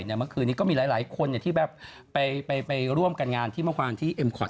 เมื่อคืนนี้ก็มีหลายคนที่แบบไปร่วมกันงานที่เมื่อวานที่เอ็มขวัญ